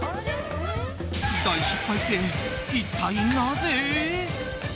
大失敗って、一体なぜ？